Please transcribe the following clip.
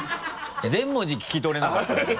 全文字聞き取れなかったよ。